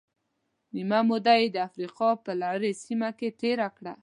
نیمه موده یې د افریقا په لرې سیمه کې تېره کړه.